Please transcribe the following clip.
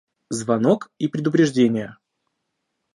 Звонок и предупреждения